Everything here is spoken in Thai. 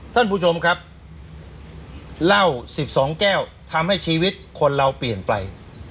ท่านผู้ชมครับเหล้า๑๒แก้วทำให้ชีวิตคนเราเปลี่ยนไป